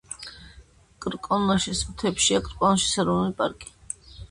კრკონოშეს მთებშია კრკონოშეს ეროვნული პარკი.